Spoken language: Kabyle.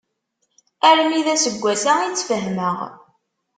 Armi d aseggas-a i tt-fehmeɣ.